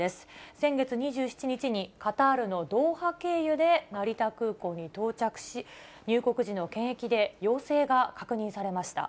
先月２７日に、カタールのドーハ経由で成田空港に到着し、入国時の検疫で陽性が確認されました。